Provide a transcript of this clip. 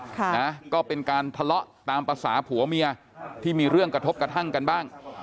ค่ะนะก็เป็นการทะเลาะตามภาษาผัวเมียที่มีเรื่องกระทบกระทั่งกันบ้าง